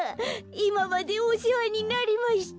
いままでおせわになりました。